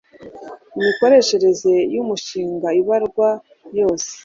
imikoreshereze yumushinga ibarwa yose